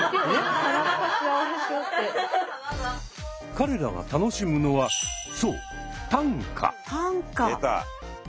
彼らが楽しむのはそう出た。